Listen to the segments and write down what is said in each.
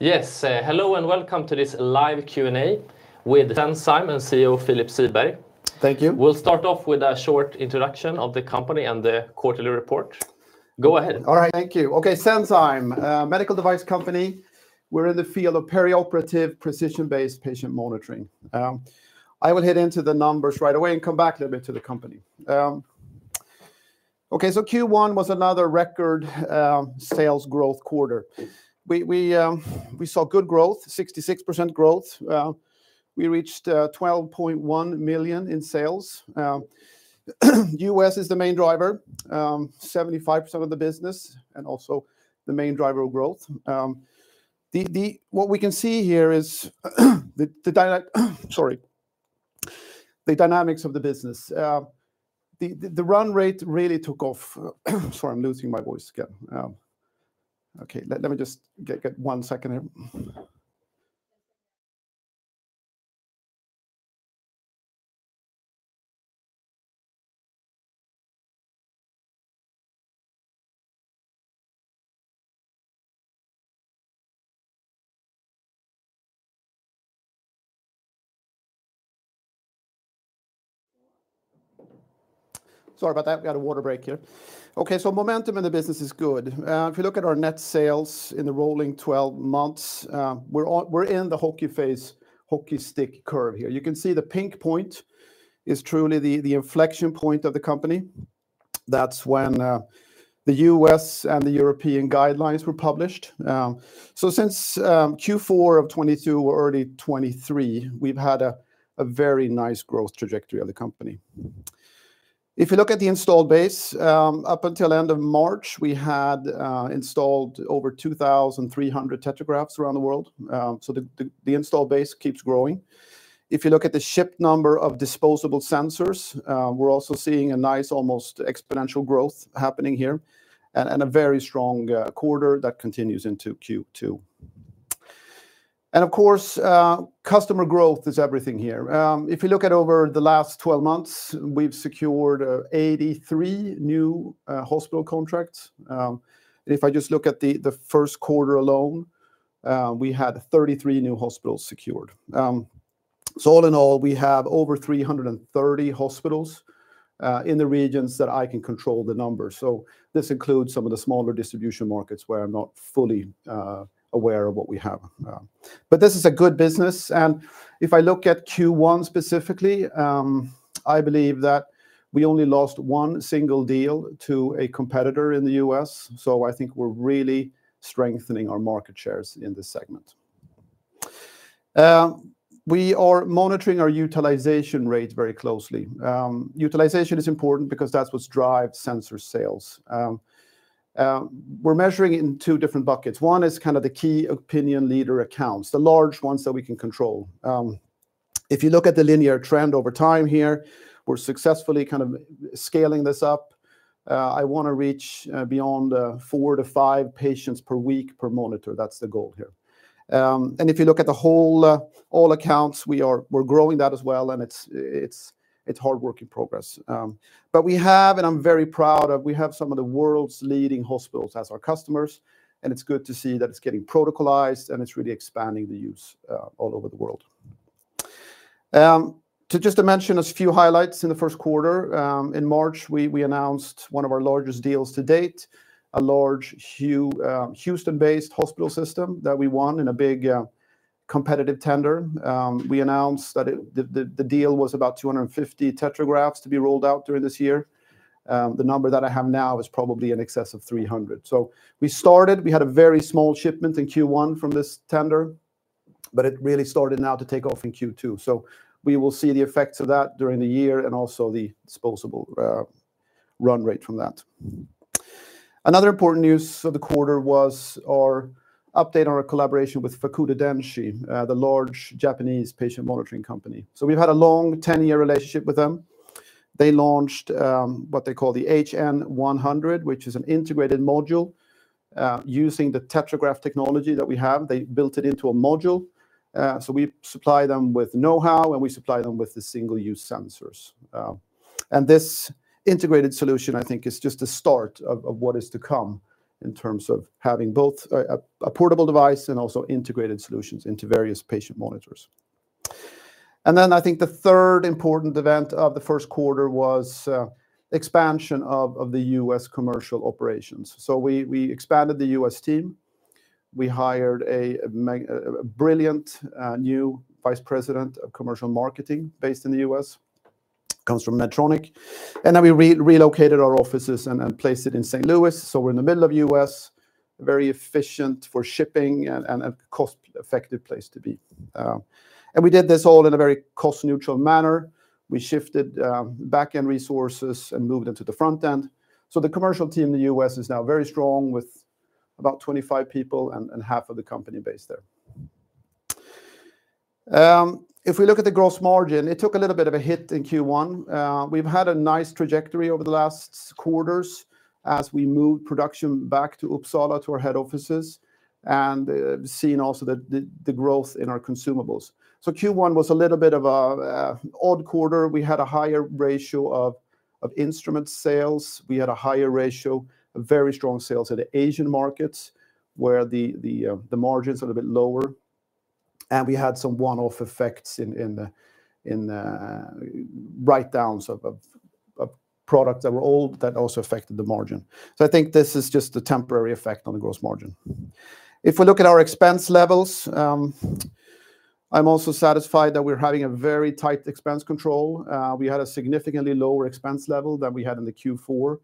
Yes, hello and welcome to this live Q&A with Senzime and CEO, Philip Siberg. Thank you. We'll start off with a short introduction of the company and the quarterly report. Go ahead. All right, thank you. Okay, Senzime, a medical device company. We're in the field of perioperative, precision-based patient monitoring. I will hit into the numbers right away and come back a little bit to the company. Okay, so Q1 was another record sales growth quarter. We saw good growth, 66% growth. We reached 12.1 million in sales. U.S. is the main driver, 75% of the business and also the main driver of growth. What we can see here is the dynamics of the business. The run rate really took off. Sorry, I'm losing my voice again. Okay, let me just get one second here. Sorry about that. Got a water break here. Okay, so momentum in the business is good. If you look at our net sales in the rolling twelve months, we're in the hockey phase, hockey stick curve here. You can see the pink point is truly the inflection point of the company. That's when the U.S. and the European guidelines were published. So since Q4 of 2022 or early 2023, we've had a very nice growth trajectory of the company. If you look at the installed base, up until end of March, we had installed over 2,300 Tetragraphs around the world. So the install base keeps growing. If you look at the shipped number of disposable sensors, we're also seeing a nice, almost exponential growth happening here, and a very strong quarter that continues into Q2. And of course, customer growth is everything here. If you look at over the last 12 months, we've secured 83 new hospital contracts. If I just look at the first quarter alone, we had 33 new hospitals secured. So all in all, we have over 330 hospitals in the regions that I can control the numbers. So this includes some of the smaller distribution markets where I'm not fully aware of what we have. But this is a good business, and if I look at Q1 specifically, I believe that we only lost one single deal to a competitor in the U.S., so I think we're really strengthening our market shares in this segment. We are monitoring our utilization rates very closely. Utilization is important because that's what drives sensor sales. We're measuring it in two different buckets. One is kind of the key opinion leader accounts, the large ones that we can control. If you look at the linear trend over time here, we're successfully kind of scaling this up. I want to reach beyond 4-5 patients per week per monitor. That's the goal here. And if you look at the whole, all accounts, we're growing that as well, and it's hard work in progress. But we have, and I'm very proud of, we have some of the world's leading hospitals as our customers, and it's good to see that it's getting protocolized, and it's really expanding the use all over the world. To just mention a few highlights in the first quarter, in March, we announced one of our largest deals to date, a large Houston-based hospital system that we won in a big competitive tender. We announced that the deal was about 250 Tetragraphs to be rolled out during this year. The number that I have now is probably in excess of 300. So we started, we had a very small shipment in Q1 from this tender, but it really started now to take off in Q2. So we will see the effects of that during the year and also the disposable run rate from that. Another important news for the quarter was our update on our collaboration with Fukuda Denshi, the large Japanese patient monitoring company. So we've had a long, 10-year relationship with them. They launched what they call the HN-100, which is an integrated module using the Tetragraph technology that we have. They built it into a module, so we supply them with know-how, and we supply them with the single-use sensors. And this integrated solution, I think, is just the start of what is to come in terms of having both a portable device and also integrated solutions into various patient monitors. And then I think the third important event of the first quarter was expansion of the U.S. commercial operations. So we expanded the U.S. team. We hired a brilliant new Vice President of Commercial Marketing based in the U.S., comes from Medtronic, and then we relocated our offices and placed it in St. Louis. So we're in the middle of the U.S., very efficient for shipping and a cost-effective place to be. And we did this all in a very cost-neutral manner. We shifted back-end resources and moved them to the front end. So the commercial team in the U.S. is now very strong, with about 25 people and half of the company based there. If we look at the gross margin, it took a little bit of a hit in Q1. We've had a nice trajectory over the last quarters as we moved production back to Uppsala, to our head offices, and seeing also the growth in our consumables. So Q1 was a little bit of an odd quarter. We had a higher ratio of instrument sales. We had a higher ratio of very strong sales at the Asian markets, where the margins are a bit lower, and we had some one-off effects in write-downs of products that were old, that also affected the margin. So I think this is just a temporary effect on the gross margin. If we look at our expense levels, I'm also satisfied that we're having a very tight expense control. We had a significantly lower expense level than we had in the Q4.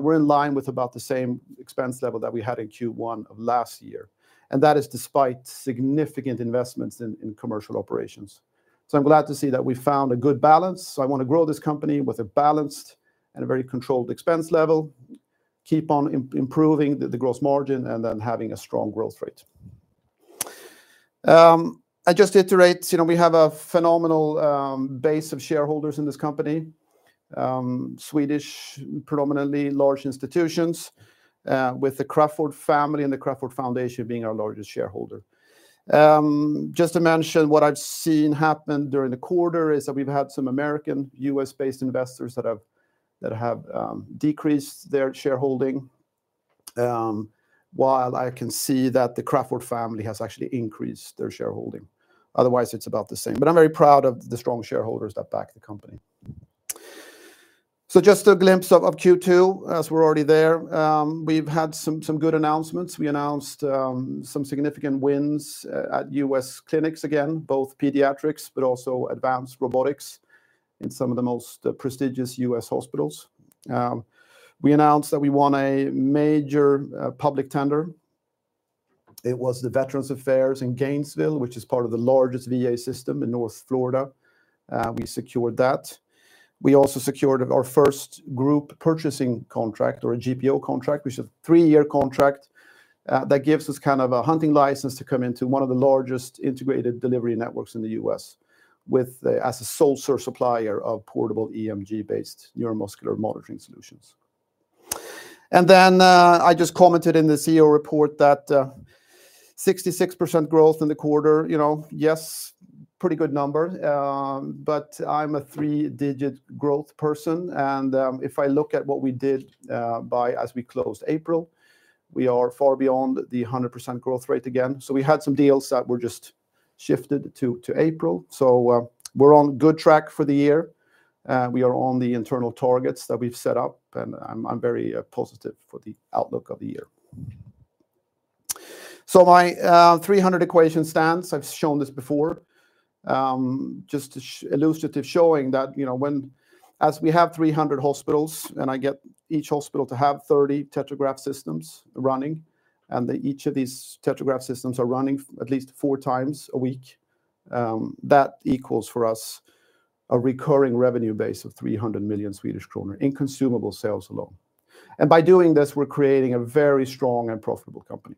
We're in line with about the same expense level that we had in Q1 of last year, and that is despite significant investments in commercial operations. So I'm glad to see that we found a good balance. So I wanna grow this company with a balanced and a very controlled expense level, keep on improving the gross margin, and then having a strong growth rate. I just iterate, you know, we have a phenomenal base of shareholders in this company. Swedish, predominantly large institutions, with the Crafoord family and the Crafoord Foundation being our largest shareholder. Just to mention, what I've seen happen during the quarter is that we've had some American U.S.-based investors that have decreased their shareholding, while I can see that the Crafoord family has actually increased their shareholding. Otherwise, it's about the same. But I'm very proud of the strong shareholders that back the company. So just a glimpse of Q2, as we're already there. We've had some good announcements. We announced some significant wins at U.S. clinics, again, both pediatrics, but also advanced robotics in some of the most prestigious U.S. hospitals. We announced that we won a major public tender. It was the Veterans Affairs in Gainesville, which is part of the largest VA system in North Florida. We secured that. We also secured our first group purchasing contract, or a GPO contract, which is a three-year contract that gives us kind of a hunting license to come into one of the largest integrated delivery networks in the U.S., with the... as a sole source supplier of portable EMG-based neuromuscular monitoring solutions. And then, I just commented in the CEO report that 66% growth in the quarter, you know? Yes, pretty good number, but I'm a three-digit growth person and, if I look at what we did, by as we closed April, we are far beyond the 100% growth rate again. So we had some deals that were just shifted to, to April. So, we're on good track for the year, we are on the internal targets that we've set up, and I'm, I'm very positive for the outlook of the year. So my 300 equation stands, I've shown this before. Just to illustrative showing that, you know, when as we have 300 hospitals, and I get each hospital to have 30 Tetragraph systems running, and each of these Tetragraph systems are running at least four times a week, that equals, for us, a recurring revenue base of 300 million Swedish kronor in consumable sales alone. And by doing this, we're creating a very strong and profitable company.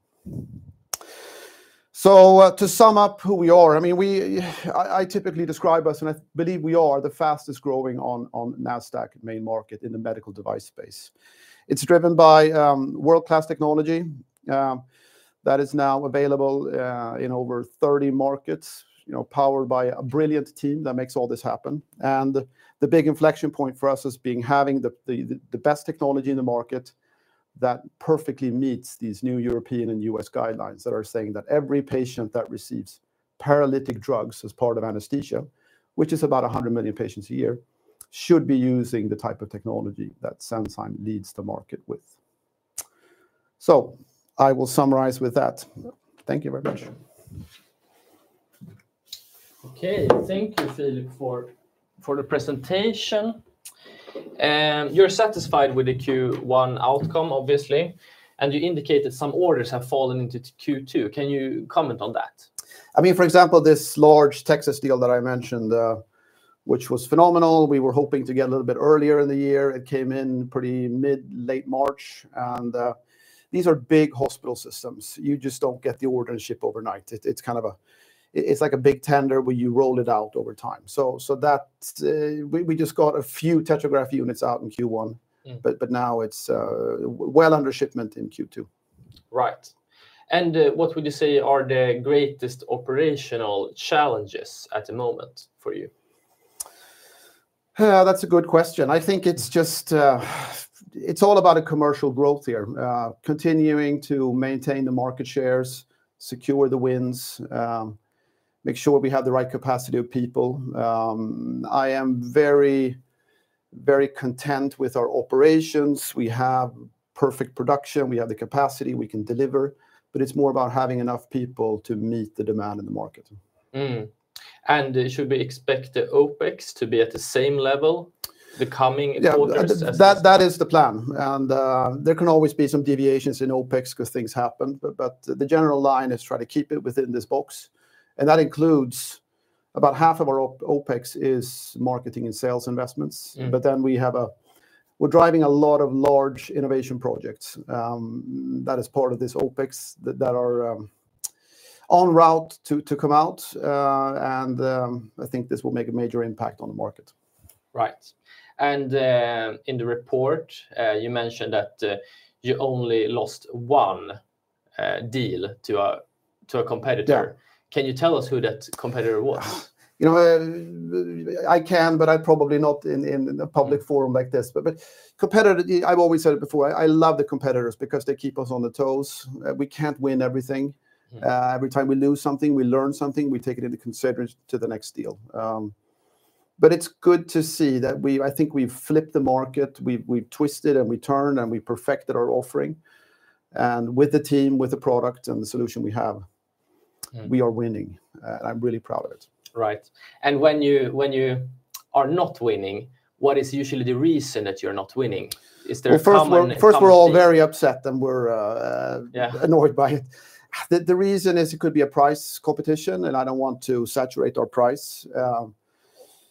So, to sum up who we are, I mean, we, I, I typically describe us, and I believe we are the fastest growing on Nasdaq Main Market in the medical device space. It's driven by world-class technology that is now available in over 30 markets, you know, powered by a brilliant team that makes all this happen. The big inflection point for us is having the best technology in the market that perfectly meets these new European and U.S. guidelines that are saying that every patient that receives paralytic drugs as part of anesthesia, which is about 100 million patients a year, should be using the type of technology that Senzime leads the market with. So I will summarize with that. Thank you very much. Okay, thank you, Philip, for the presentation. You're satisfied with the Q1 outcome, obviously, and you indicated some orders have fallen into Q2. Can you comment on that? I mean, for example, this large Texas deal that I mentioned, which was phenomenal, we were hoping to get a little bit earlier in the year. It came in pretty mid, late March, and these are big hospital systems. You just don't get the order and ship overnight. It's kind of a... It's like a big tender where you roll it out over time. So that's, we just got a few Tetragraph units out in Q1- Mm. But now it's well under shipment in Q2. Right. And, what would you say are the greatest operational challenges at the moment for you? That's a good question. I think it's just, it's all about a commercial growth here. Continuing to maintain the market shares, secure the wins, make sure we have the right capacity of people. I am very, very content with our operations. We have perfect production, we have the capacity, we can deliver, but it's more about having enough people to meet the demand in the market. Mm. And should we expect the OpEx to be at the same level the coming quarters as- Yeah, that is the plan, and there can always be some deviations in OpEx 'cause things happen, but the general line is try to keep it within this box, and that includes about half of our OpEx is marketing and sales investments. Mm. But then we have. We're driving a lot of large innovation projects that is part of this OpEx that are on route to come out and I think this will make a major impact on the market. Right. And in the report, you mentioned that you only lost one deal to a competitor. Yeah. Can you tell us who that competitor was? You know, I can, but I probably not in a public forum like this. But competitor, I've always said it before, I love the competitors because they keep us on the toes. We can't win everything. Mm. Every time we lose something, we learn something, we take it into consideration to the next deal. But it's good to see that, I think, we've flipped the market, we've twisted and turned, and we perfected our offering. And with the team, with the product, and the solution we have- Mm... we are winning, I'm really proud of it. Right. And when you, when you are not winning, what is usually the reason that you're not winning? Is there a common thing- Well, first we're all very upset, and we're Yeah... annoyed by it. The reason is it could be a price competition, and I don't want to saturate our price.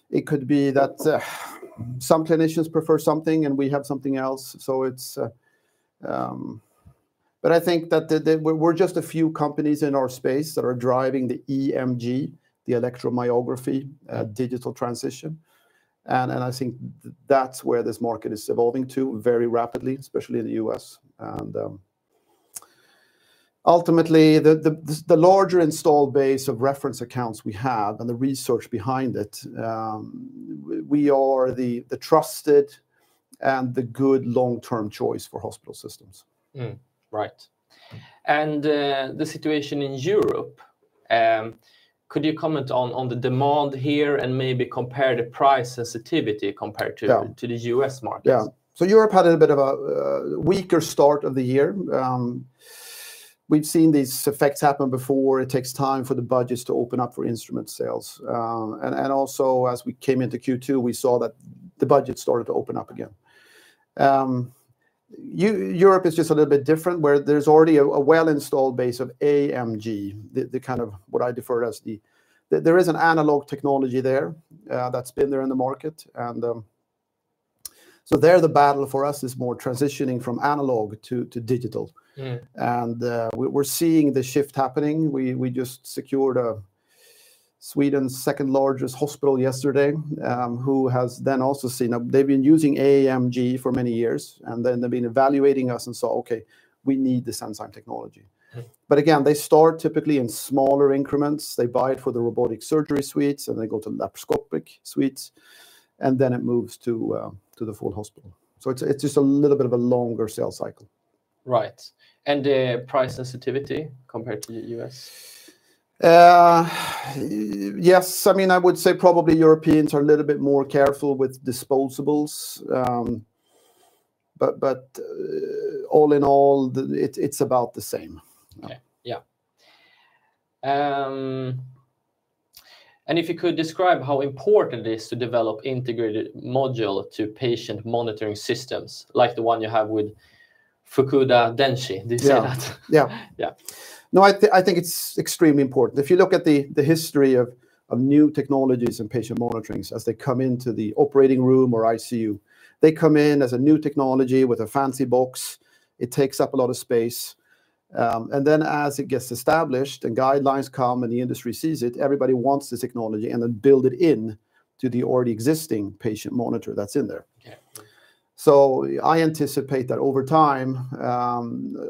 It could be that some clinicians prefer something, and we have something else, so it's... But I think that the, we're just a few companies in our space that are driving the EMG, the electromyography, digital transition. And I think that's where this market is evolving to very rapidly, especially in the U.S. And ultimately, the larger installed base of reference accounts we have and the research behind it, we are the trusted and the good long-term choice for hospital systems. Right. The situation in Europe, could you comment on the demand here, and maybe compare the price sensitivity compared to- Yeah... to the U.S. market? Yeah. So Europe had a bit of a weaker start of the year. We've seen these effects happen before. It takes time for the budgets to open up for instrument sales. And also, as we came into Q2, we saw that the budget started to open up again. Europe is just a little bit different, where there's already a well-installed base of AMG, the kind of what I defer to as the... There is an analog technology there that's been there in the market. And so there, the battle for us is more transitioning from analog to digital. Mm. We're seeing the shift happening. We just secured Sweden's second-largest hospital yesterday, who has then also seen... They've been using AMG for many years, and then they've been evaluating us and saw, "Okay, we need the Senzime technology. Mm. But again, they start typically in smaller increments. They buy it for the robotic surgery suites, and they go to laparoscopic suites, and then it moves to, to the full hospital. So it's, it's just a little bit of a longer sales cycle. Right. And, price sensitivity compared to the U.S.? Yes. I mean, I would say probably Europeans are a little bit more careful with disposables. But all in all, it's about the same. Okay. Yeah, if you could describe how important it is to develop integrated module to patient monitoring systems, like the one you have with Fukuda Denshi? Did you say that? Yeah. Yeah. No, I think it's extremely important. If you look at the history of new technologies and patient monitoring, as they come into the operating room or ICU, they come in as a new technology with a fancy box. It takes up a lot of space. And then as it gets established, and guidelines come, and the industry sees it, everybody wants this technology, and then build it into the already existing patient monitor that's in there. Yeah. I anticipate that over time,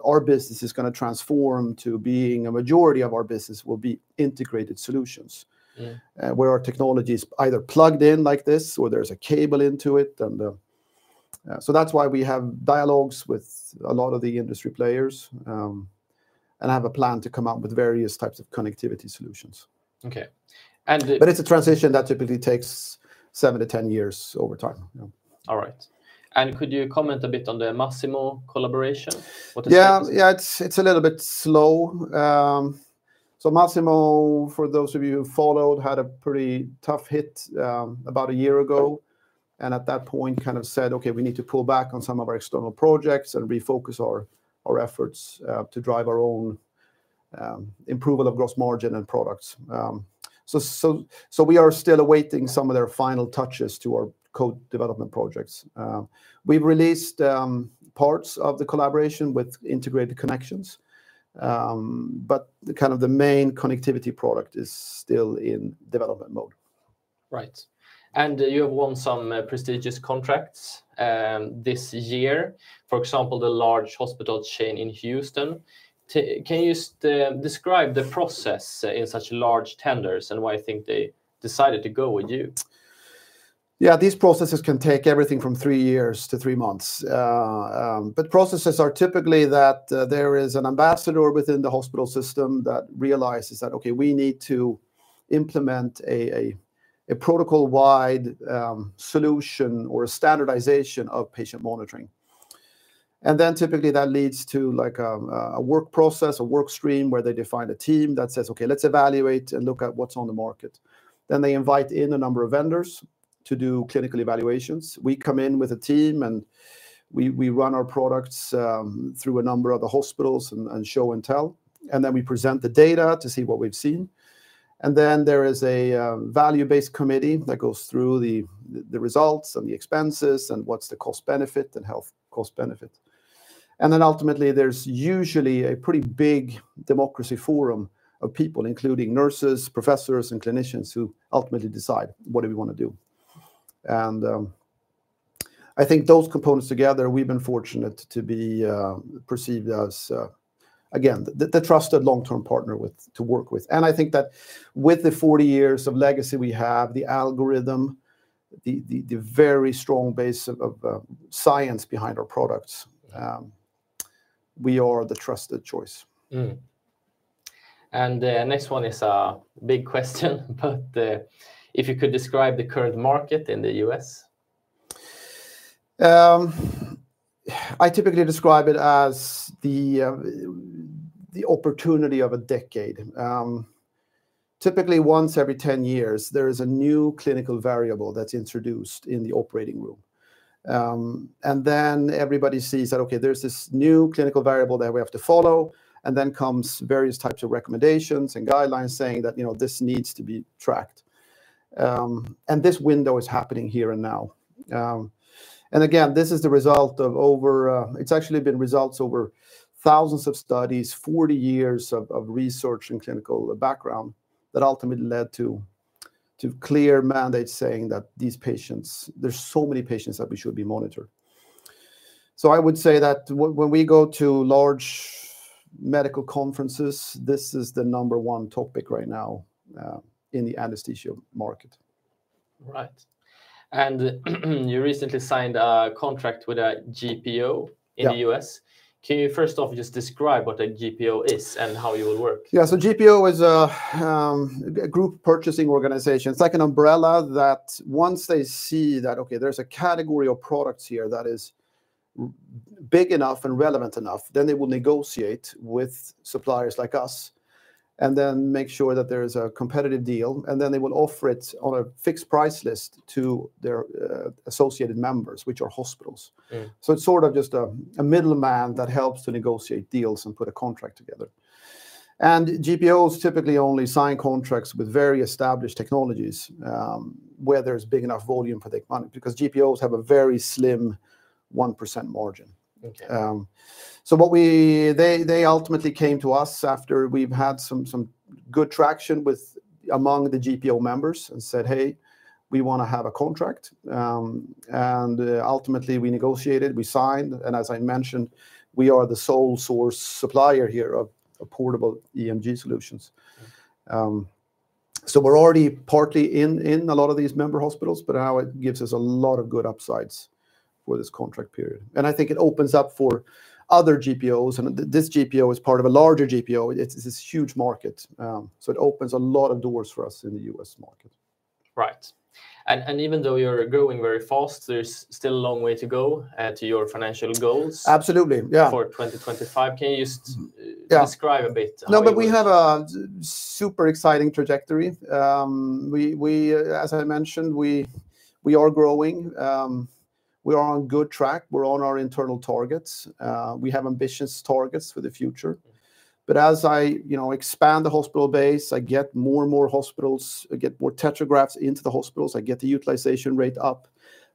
our business is gonna transform to being... a majority of our business will be integrated solutions- Yeah... where our technology is either plugged in like this, or there's a cable into it, and... So that's why we have dialogues with a lot of the industry players. And I have a plan to come out with various types of connectivity solutions. Okay. It's a transition that typically takes 7-10 years over time. Yeah. All right. Could you comment a bit on the Masimo collaboration? What is it? Yeah, it's a little bit slow. So Masimo, for those of you who followed, had a pretty tough hit about a year ago, and at that point, kind of said, "Okay, we need to pull back on some of our external projects and refocus our efforts to drive our own improvement of gross margin and products." So we are still awaiting some of their final touches to our co-development projects. We've released parts of the collaboration with integrated connections. But the kind of the main connectivity product is still in development mode. Right. You have won some prestigious contracts this year, for example, the large hospital chain in Houston. Can you describe the process in such large tenders, and why you think they decided to go with you? Yeah, these processes can take everything from 3 years to 3 months. But processes are typically that there is an ambassador within the hospital system that realizes that, "Okay, we need to implement a protocol-wide solution or a standardization of patient monitoring." And then typically, that leads to, like, a work process, a work stream, where they define a team that says, "Okay, let's evaluate and look at what's on the market." Then they invite in a number of vendors to do clinical evaluations. We come in with a team, and we run our products through a number of the hospitals and show and tell, and then we present the data to see what we've seen. And then there is a value-based committee that goes through the results and the expenses, and what's the cost-benefit and health cost-benefit. And then ultimately, there's usually a pretty big democracy forum of people, including nurses, professors, and clinicians, who ultimately decide, "What do we wanna do?" And I think those components together, we've been fortunate to be perceived as, again, the trusted long-term partner with- to work with. And I think that with the 40 years of legacy we have, the algorithm, the very strong base of science behind our products, we are the trusted choice. The next one is a big question, but if you could describe the current market in the U.S.? I typically describe it as the opportunity of a decade. Typically, once every 10 years, there is a new clinical variable that's introduced in the operating room. And then everybody sees that, okay, there's this new clinical variable that we have to follow, and then comes various types of recommendations and guidelines saying that, you know, this needs to be tracked. And this window is happening here and now. And again, this is the result of over. It's actually been results over thousands of studies, 40 years of research and clinical background, that ultimately led to clear mandates saying that these patients, there's so many patients that we should be monitoring. So I would say that when we go to large medical conferences, this is the number one topic right now in the anesthesia market. Right. And you recently signed a contract with a GPO- Yeah... in the U.S. Can you first off just describe what a GPO is and how you will work? Yeah, so GPO is a group purchasing organization. It's like an umbrella that once they see that, okay, there's a category of products here that is big enough and relevant enough, then they will negotiate with suppliers like us, and then make sure that there's a competitive deal, and then they will offer it on a fixed price list to their associated members, which are hospitals. Mm. It's sort of just a middleman that helps to negotiate deals and put a contract together. GPOs typically only sign contracts with very established technologies, where there's big enough volume for the economy, because GPOs have a very slim 1% margin. Okay. So they ultimately came to us after we've had some good traction with, among the GPO members, and said, "Hey, we wanna have a contract." And ultimately, we negotiated, we signed, and as I mentioned, we are the sole source supplier here of portable EMG solutions. So we're already partly in a lot of these member hospitals, but now it gives us a lot of good upsides for this contract period. And I think it opens up for other GPOs, and this GPO is part of a larger GPO. It's this huge market. So it opens a lot of doors for us in the U.S. market. Right. And even though you're growing very fast, there's still a long way to go to your financial goals- Absolutely, yeah... for 2025. Can you s- Yeah... describe a bit about- No, but we have a super exciting trajectory. As I mentioned, we are growing. We are on good track. We're on our internal targets. We have ambitious targets for the future. But as I, you know, expand the hospital base, I get more and more hospitals, I get more Tetragraphs into the hospitals, I get the utilization rate up,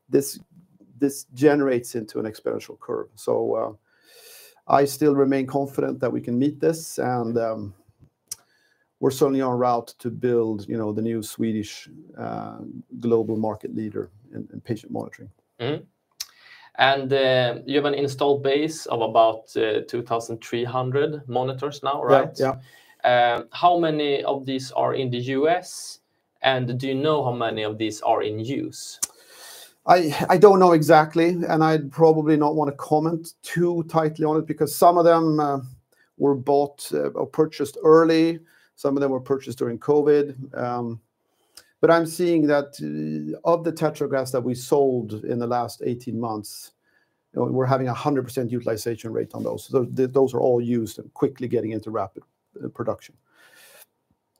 this generates into an exponential curve. So, I still remain confident that we can meet this, and we're certainly en route to build, you know, the new Swedish global market leader in patient monitoring. Mm-hmm. You have an installed base of about 2,300 monitors now, right? Yeah, yeah. How many of these are in the U.S., and do you know how many of these are in use? I don't know exactly, and I'd probably not want to comment too tightly on it, because some of them were bought or purchased early, some of them were purchased during COVID. But I'm seeing that of the Tetragraphs that we sold in the last 18 months, we're having 100% utilization rate on those. So those are all used and quickly getting into rapid production.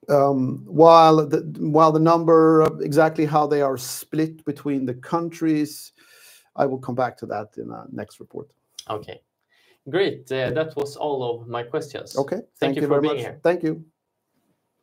While the number of exactly how they are split between the countries, I will come back to that in a next report. Okay, great. That was all of my questions. Okay. Thank you for being here. Thank you very much. Thank you.